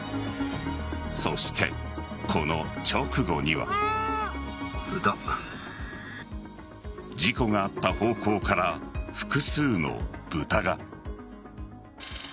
そして、この直後には。事故があった方向から複数の豚が。